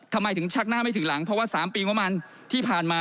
ทำไมถึงชักหน้าไม่ถึงหลังเพราะว่า๓ปีงบประมาณที่ผ่านมา